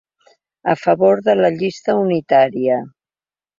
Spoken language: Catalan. A favor de la llista unitària.